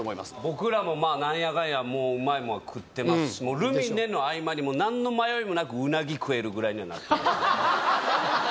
僕らもまあなんやかんやうまいもんは食ってますしルミネの合間になんの迷いもない食えるぐらいにはなってますしははは